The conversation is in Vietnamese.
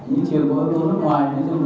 những trường có ứng tố nước ngoài